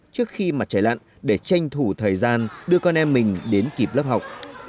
trước khi mặt trời lặn để tranh thủ thời gian đưa con em mình đến kịp lớp học